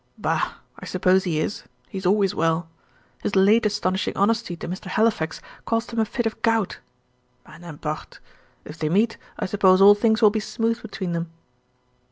"Bah! I suppose he is; he is always well. His late astonishing honesty to Mr. Halifax cost him a fit of gout mais n'importe. If they meet, I suppose all things will be smooth between them?"